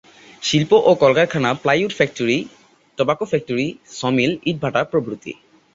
শিল্প ও কলকারখানা plywood factory, tobacco factory, sawmill, ইটভাটা প্রভৃতি।